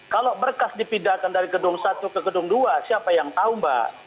kalau berkas dipindahkan dari gedung satu ke gedung dua siapa yang tahu mbak